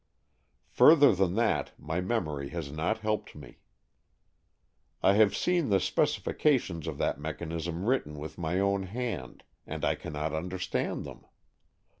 Further than that my memory has not helped me. I have seen the specifica tions of that mechanism written with my own AN EXCHANGE OF SOULS 157 hand, and I cannot understand them.